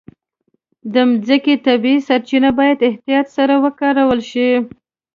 د مځکې طبیعي سرچینې باید احتیاط سره وکارول شي.